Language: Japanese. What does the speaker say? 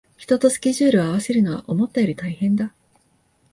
人とスケジュールを合わせるのは思ったより大変だ